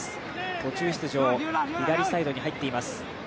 途中出場左サイドに入っています。